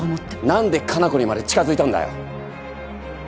何で可南子にまで近づいたんだよ。